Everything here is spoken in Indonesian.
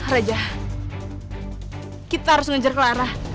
raja kita harus ngejar clara